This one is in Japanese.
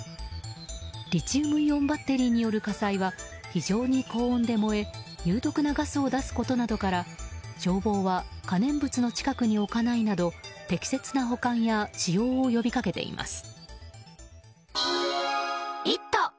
リチウムイオンバッテリーによる火災は非常に高温で燃え有毒なガスを出すことなどから消防は可燃物の近くに置かないなど適切な保管や使用を呼びかけています。